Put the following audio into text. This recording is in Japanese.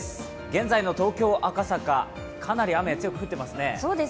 現在の東京・赤坂、かなり雨、強く降ってますね。